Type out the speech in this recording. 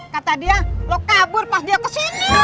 kata dia lo kabur pas dia kesini